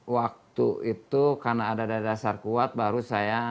waktu itu karena ada daya dasar kuat baru saya